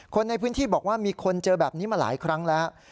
คนในพื้นที่บอกว่ามีคนเจอแบบนี้มาหลายครั้งแล้ว